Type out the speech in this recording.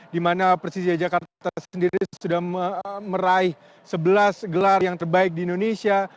di mana persija jakarta sendiri sudah meraih sebelas gelar yang terbaik di indonesia